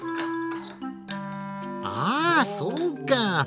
ああそうか！